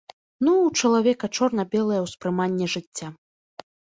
Ну ў чалавека чорна-белае ўспрыманне жыцця.